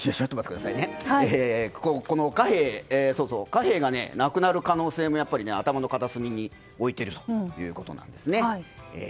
貨幣がなくなる可能性も頭の片隅に置いているということなんですね。